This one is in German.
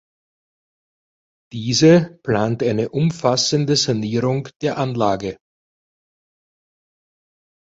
Diese plant eine umfassende Sanierung der Anlage.